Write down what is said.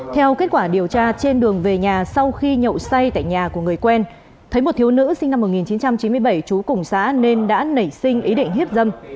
theo kết quả điều tra trên đường về nhà sau khi nhậu say tại nhà của người quen thấy một thiếu nữ sinh năm một nghìn chín trăm chín mươi bảy trú cùng xã nên đã nảy sinh ý định hiếp dâm